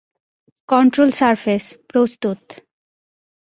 Control surface, প্রস্তুত।